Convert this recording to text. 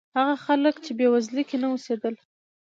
هغه خلک چې بېوزلۍ کې نه اوسېدل.